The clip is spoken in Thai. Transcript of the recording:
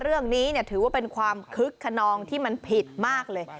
เรื่องนี้ถือว่าเป็นความคึกขนองที่มันผิดมากเลย